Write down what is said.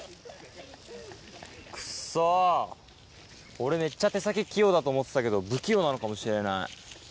俺めっちゃ手先器用だと思ってたけど不器用なのかもしれない。